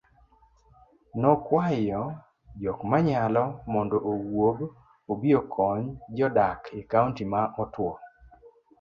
nokwayo jokmanyalo mondo owuog obiokony jodak ekaonti ma otuwo